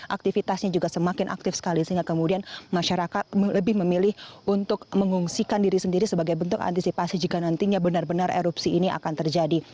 aktivitasnya juga semakin aktif sekali sehingga kemudian masyarakat lebih memilih untuk mengungsikan diri sendiri sebagai bentuk antisipasi jika nantinya benar benar erupsi ini akan terjadi